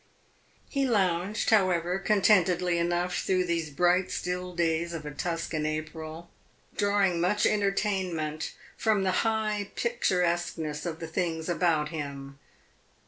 He lounged, however, contentedly enough through these bright, still days of a Tuscan April, drawing much entertainment from the high picturesqueness of the things about him.